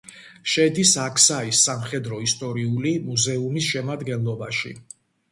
შედის აქსაის სამხედრო-ისტორიული მუზეუმის შემადგენლობაში.